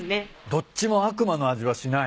どっちも悪魔の味はしない。